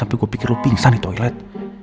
sampai gua pikir lu pingsan di toilet